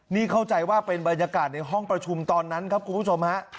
นี่เข้าใจว่าเป็นบรรยากาศในห้องประชุมตอนนั้นครับคุณผู้ชมฮะ